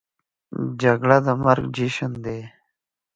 جګړه د مرګ جشن دی